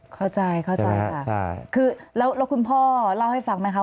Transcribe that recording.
เข้าใจเข้าใจค่ะคือแล้วคุณพ่อเล่าให้ฟังไหมคะ